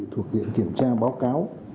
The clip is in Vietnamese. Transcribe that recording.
thuộc hiện kiểm tra báo cáo